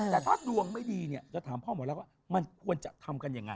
แต่ถ้าดวงไม่ดีเนี่ยจะถามพ่อหมอรักว่ามันควรจะทำกันยังไง